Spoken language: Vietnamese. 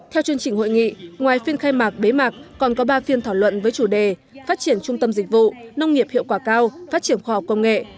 theo chương trình hội nghị ngoài phiên khai mạc bế mạc còn có ba phiên thảo luận với chủ đề phát triển trung tâm dịch vụ nông nghiệp hiệu quả cao phát triển khoa học công nghệ